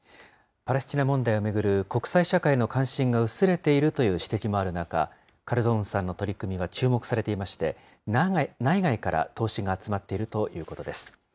パレスチナ問題を巡る国際社会の関心が薄れているという指摘もある中、カルゾウンさんの取り組みは注目されていまして、内外から投資が集まっているということです。